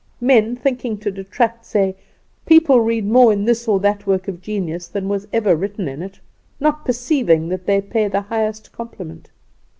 Men, thinking to detract, say: 'People read more in this or that work of genius than was ever written in it,' not perceiving that they pay the highest compliment.